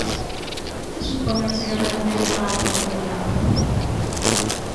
Que supón a chegada de Merino á Alcaldía?